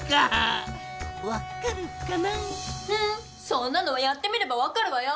そんなのはやってみればわかるわよ！